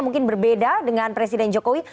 mungkin berbeda dengan presiden jokowi